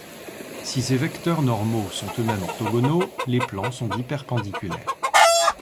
Si ces vecteurs normaux sont eux-mêmes orthogonaux, les plans sont dits perpendiculaires.